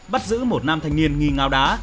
bắt giữ một nam thanh niên nghi ngào đá